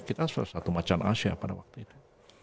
kita salah satu macan asia pada waktu itu